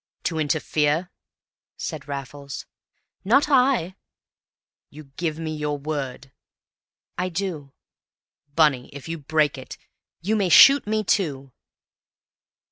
"To interfere?" said Raffles. "Not I." "You give me your word?" "I do." "Bunny, if you break it " "You may shoot me, too!"